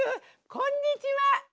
こんにちは！